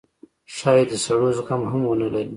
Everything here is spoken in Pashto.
ښايي د سړو زغم هم ونه لرئ